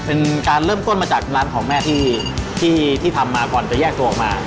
เป็นการเริ่มต้นมาจากร้านของแม่ที่ทำมาก่อนจะแยกตัวออกมา